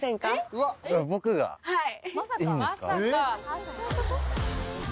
はい。